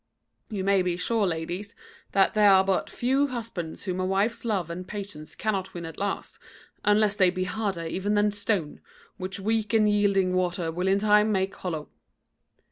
"You may be sure, ladies, that there are but few husbands whom a wife's love and patience cannot win at last, unless they be harder even than stone, which weak and yielding water will in time make hollow."